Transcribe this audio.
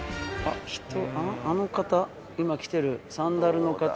あの方、今来てるサンダルの方。